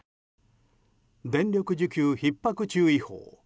電力需給ひっ迫注意報。